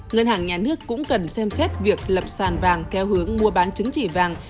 ngân hàng nhà nước cũng cần xem xét việc lập sàn vàng theo hướng mua bán chứng chỉ vàng